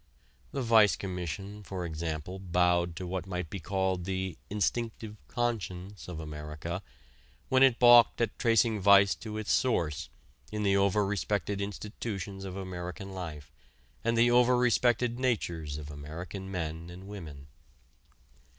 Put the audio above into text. The Vice Commission, for example, bowed to what might be called the "instinctive conscience" of America when it balked at tracing vice to its source in the over respected institutions of American life and the over respected natures of American men and women.